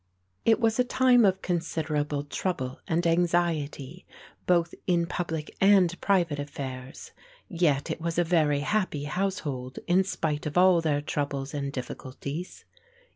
It was a time of considerable trouble and anxiety, both in public and private affairs, yet it was a very happy household in spite of all their troubles and difficulties.